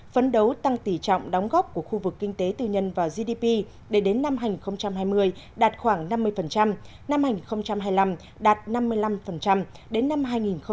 phấn đấu tăng tỷ trọng đóng góp của khu vực kinh tế tư nhân và gdp để đến năm hai nghìn hai mươi đạt khoảng năm mươi năm hai nghìn hai mươi năm đạt năm mươi năm đến năm hai nghìn ba mươi khoảng sáu mươi sáu mươi năm